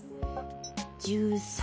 １３？